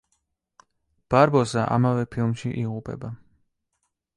ბარბოსა ამავე ფილმში იღუპება.